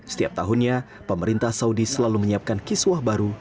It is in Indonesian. setiap tahunnya pemerintah saudi selalu menyiapkan kiswah baru